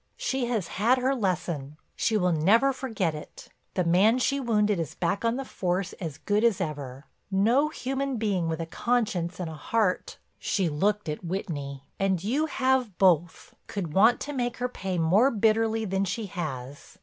She has had her lesson, she will never forget it, the man she wounded is back on the force as good as ever. No human being with a conscience and a heart—" she looked at Whitney—"and you have both—could want to make her pay more bitterly than she has.